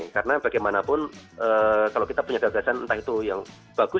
karena bagaimanapun kalau kita punya gagasan entah itu yang bagus